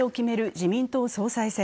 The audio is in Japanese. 自民党総裁選。